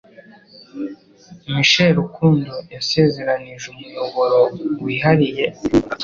Michael Rukundo yasezeranije umuyoboro wihariye